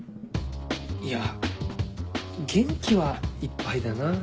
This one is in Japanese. いや元気はいっぱいだなって。